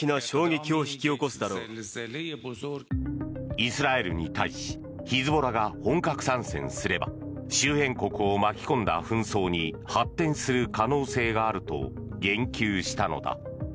イスラエルに対しヒズボラが本格参戦すれば周辺国を巻き込んだ紛争に発展する可能性があると言及したのだ。